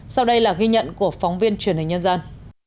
sau đây là ghi nhận của phóng viên truyền hình nhân dân